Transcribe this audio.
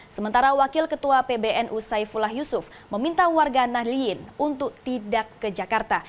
sementara wakil ketua pbnu saifullah yusuf meminta warga nahliin untuk tidak ke jakarta